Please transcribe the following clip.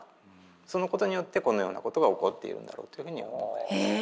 そのことによってこのようなことが起こっているんだろうというふうに思われます。